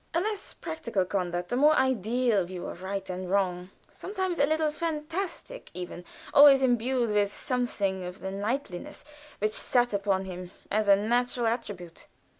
A less practical conduct, a more ideal view of right and wrong sometimes a little fantastic even always imbued with something of the knightliness which sat upon him as a natural attribute.